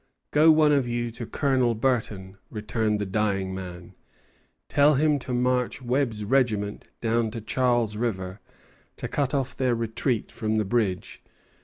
"Go, one of you, to Colonel Burton," returned the dying man; "tell him to march Webb's regiment down to Charles River, to cut off their retreat from the bridge."